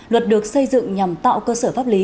luật được xây dựng nhằm tạo cơ sở pháp lý